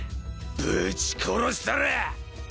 ぶち殺したらぁ！